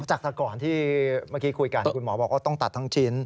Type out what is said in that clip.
จากแต่ก่อนที่เมื่อกี้คุยกันคุณหมอบอกว่าต้องตัดทั้งชิ้น